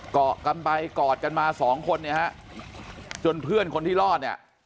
เกาะกันไปกอดกันมาสองคนเนี่ยฮะจนเพื่อนคนที่รอดเนี่ย